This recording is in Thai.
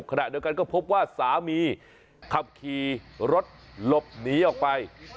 ขณะเดียวกันก็พบว่าสามีขับขี่รถหลบหนีออกไป